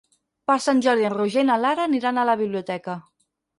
Per Sant Jordi en Roger i na Lara aniran a la biblioteca.